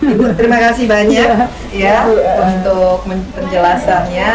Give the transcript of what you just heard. ibu terima kasih banyak ya untuk penjelasannya